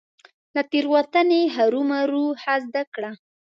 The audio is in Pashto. له تيروتني هرمروه څه زده کړه .